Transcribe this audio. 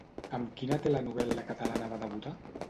Amb quina telenovel·la catalana va debutar?